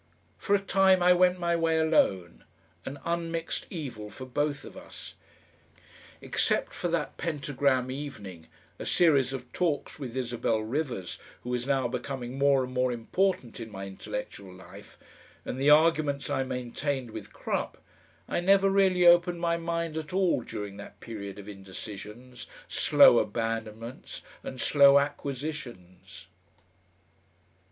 For a time I went my way alone; an unmixed evil for both of us. Except for that Pentagram evening, a series of talks with Isabel Rivers, who was now becoming more and more important in my intellectual life, and the arguments I maintained with Crupp, I never really opened my mind at all during that period of indecisions, slow abandonments, and slow acquisitions.